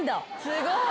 すごい。